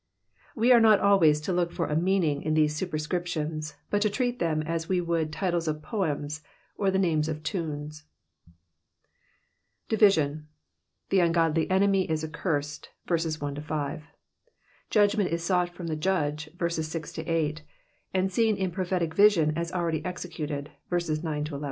We are n^A always to look for a meant^ in tkae s^tperscriptions^ Imt to treat them as we would the titles cf poems, or the names of tunes. Dmsiox. — The ungodly enemy is arrnsfd, verses 1 — 5; pidgment is sought from the jwdge, verses 6 — 8 ; and seen in prophetic vision <u already eaeeuted, verses 9 — 11.